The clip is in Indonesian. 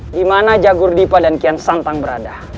dimana jagur dipa dan kian santang berada